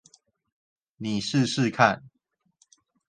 你試試看